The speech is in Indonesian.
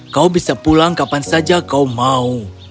kau bisa pulang kapan saja kau mau